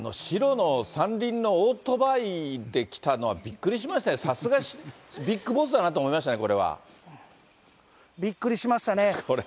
白の三輪のオートバイで来たのはびっくりしましたよ、さすがビッグボスだなと思いましたね、これは。びっくりしましたね。